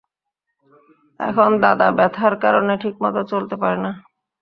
এখন দাদা ব্যথার কারণে ঠিকমত চলতে পারে না।